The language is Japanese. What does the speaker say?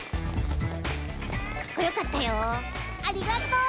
かっこよかったよありがとう。